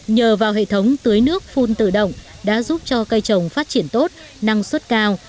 nhờ vào hệ thống tưới nước phun tự động đã giúp cho cây trồng phát triển tốt năng suất cao